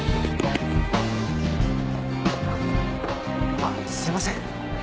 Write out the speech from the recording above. あっすいません。